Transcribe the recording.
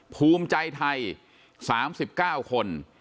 ภูมิใจไทย๓๙คน